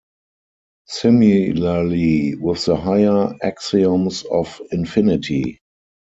Similarly with the higher axioms of infinity.